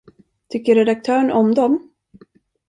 Tycker redaktörn om dem?